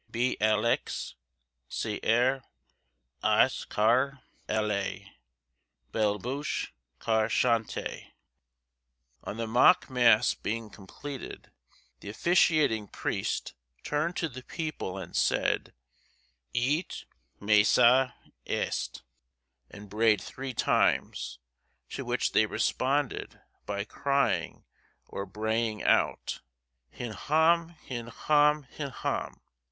hez va, hez! Bialx Sire Asnes car allez; Belle bouche car chantez. On the mock mass being completed, the officiating priest turned to the people and said, "Ite missa est," and brayed three times, to which they responded by crying or braying out, Hinham, Hinham, Hinham.